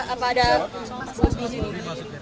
apa ada masalah bomi